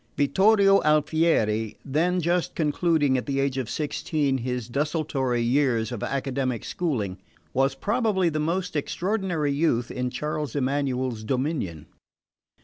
Vittorio Alfieri, then just concluding, at the age of sixteen, his desultory years of academic schooling, was probably the most extraordinary youth in Charles Emmanuel's dominion.